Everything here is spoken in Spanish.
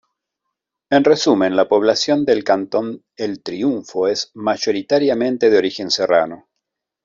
En resumen la población del cantón el Triunfo es mayoritariamente de origen serrano.